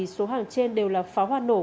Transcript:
số hàng trên đều là pháo hoàn nổ